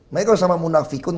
mereka sama munafikun